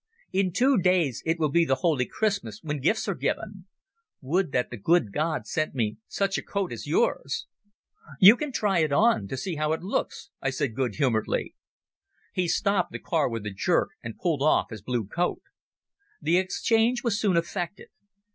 In two days it will be the holy Christmas, when gifts are given. Would that the good God sent me such a coat as yours!" "You can try it on to see how it looks," I said good humouredly. He stopped the car with a jerk, and pulled off his blue coat. The exchange was soon effected.